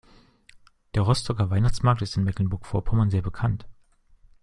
Der Rostocker Weihnachtsmarkt ist in Mecklenburg-Vorpommern sehr bekannt.